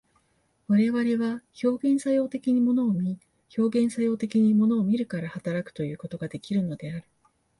我々は表現作用的に物を見、表現作用的に物を見るから働くということができるのである。